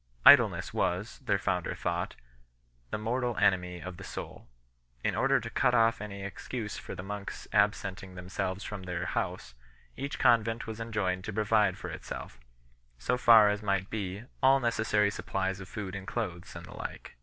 Idleness was, their founder thought, the mortal enemy of the soul. In order to cut off any excuse for the monks absenting themselves from their house, each convent was enjoined to provide for itself, so far as might be, all ne cessary supplies of food and clothes and the like.